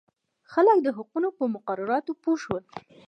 خلک د حقوقو په مقرراتو پوه شول.